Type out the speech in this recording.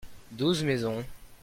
douze maisons.